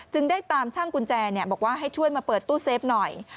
ได้ตามช่างกุญแจบอกว่าให้ช่วยมาเปิดตู้เซฟหน่อย